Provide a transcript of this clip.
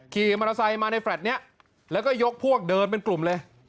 ขี่มอเตอร์ไซค์มาในแฟลต์นี้แล้วก็ยกพวกเดินเป็นกลุ่มเลย